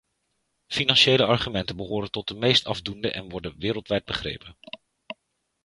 Financiële argumenten behoren tot de meest afdoende en worden wereldwijd begrepen.